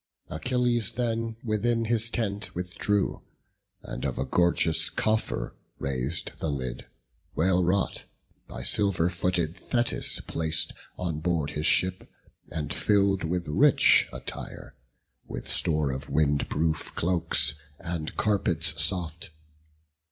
Achilles then within his tent withdrew, And of a gorgeous coffer rais'd the lid, Well wrought, by silver footed Thetis plac'd On board his ship, and fill'd with rich attire, With store of wind proof cloaks, and carpets soft.